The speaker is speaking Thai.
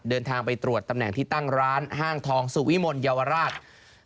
เดินทางไปตรวจตำแหน่งที่ตั้งร้านห้างทองสุวิมลเยาวราช